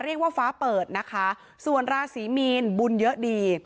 เรียกว่าฟ้าเปิดนะคะส่วนราศีมีนบุญเยอะดี